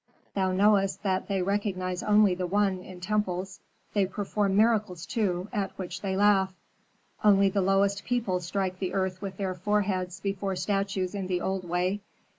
Thou knowest that they recognize only the One in temples. They perform miracles, too, at which they laugh. "Only the lowest people strike the earth with their foreheads before statues in the old way.